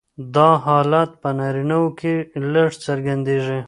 دا حالت په نارینهوو کې لږ څرګندیږي.